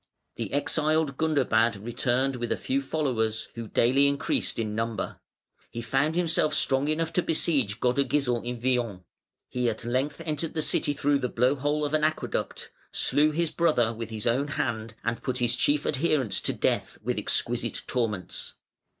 The exiled Gundobad returned with a few followers, who daily increased in number; he found himself strong enough to besiege Godegisel in Vienne; he at length entered the city through the blow hole of an aqueduct, slew his brother with his own hand, and put his chief adherents to death "with exquisite torments".